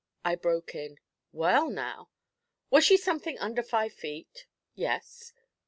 I broke in. 'Well, now ' 'Was she something under five feet?' 'Yes.'